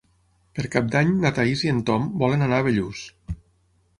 Per Cap d'Any na Thaís i en Tom volen anar a Bellús.